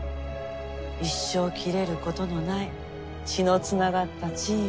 一生切れることのない血のつながったチーム。